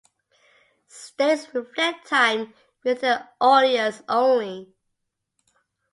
Stats reflect time with the Oilers only.